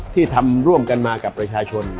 ที่ทำร่วมกันมากับประชาชน